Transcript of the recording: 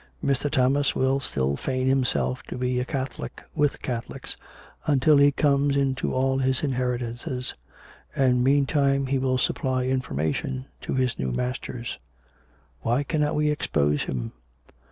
Mr. Thomas will still feign himself to be a Catholic, with Catholics, until he comes into all his inheri tances. And, meantime, he will supply information to his new masters." " Why cannot we expose him?